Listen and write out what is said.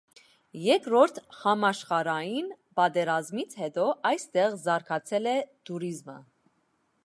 Երկրորդ համաշխարհային պատերազմից հետո այստեղ զարգացել է տուրիզմը։